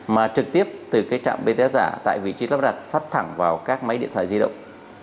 mà trực tiếp từ cái trạm bts giả tại vị trí lắp đặt phát thẳng vào các máy điện thoại di động